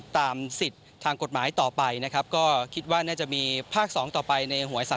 ตามสิทธิ์ทางกฎหมายต่อไปนะครับก็คิดว่าน่าจะมีภาคสองต่อไป